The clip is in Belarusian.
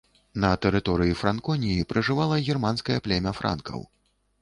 На тэрыторыі франконіі пражывала германскае племя франкаў.